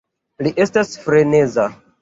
Li estas freneza